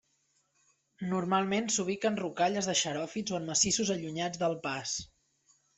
Normalment s'ubica en rocalles de xeròfits o en massissos allunyats del pas.